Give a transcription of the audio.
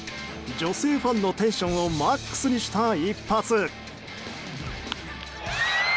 女性ファンのテンションをマックスにした一発。